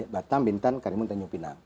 batam bintan karimun tanjung pinang